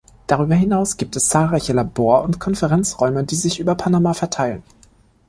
Darüber hinaus gibt es zahlreiche Labor- und Konferenzräume, die sich über Panama verteilen.